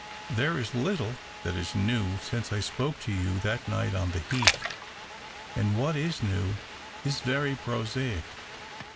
There is little that is new since I spoke to you that niorht on the heath, and what is new is very prosaic.